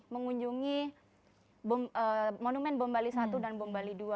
mengunjungi monumen bombali i dan bombali ii